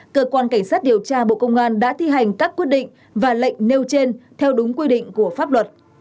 cơ quan cảnh sát điều tra bộ công an đã thi hành các quyết định và lệnh nêu trên theo đúng quy định của pháp luật